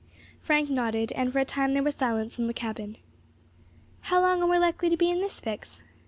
Frank nodded, and for a time there was silence in the cabin. "How long are we likely to be in this fix?"